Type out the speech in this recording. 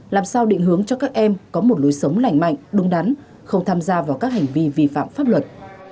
làm sao định hướng cho các em có một lối sống lành mạnh đúng đắn không tham gia vào các hành vi vi phạm pháp luật